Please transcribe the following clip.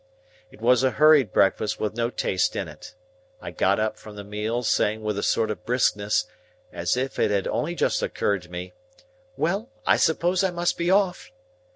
It was a hurried breakfast with no taste in it. I got up from the meal, saying with a sort of briskness, as if it had only just occurred to me, "Well! I suppose I must be off!"